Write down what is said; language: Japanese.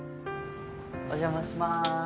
お邪魔します。